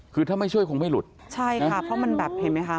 คือถ้าไม่ช่วยคงไม่หลุดใช่ค่ะเพราะมันแบบเห็นไหมคะ